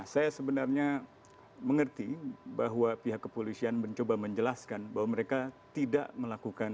saya sebenarnya mengerti bahwa pihak kepolisian mencoba menjelaskan bahwa mereka tidak melakukan